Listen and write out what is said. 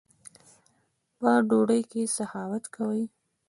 په ډوډۍ کښي سخاوت کوئ!